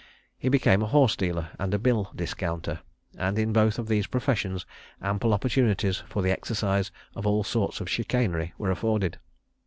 He became a horse dealer, and a bill discounter; and in both of these professions ample opportunities for the exercise of all sorts of chicanery were afforded.